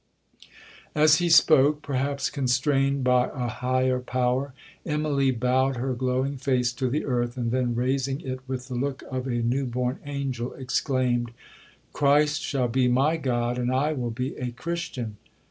'As he spoke, (perhaps constrained by a higher power), Immalee bowed her glowing face to the earth, and then raising it with the look of a new born angel, exclaimed, 'Christ shall be my God, and I will be a Christian!'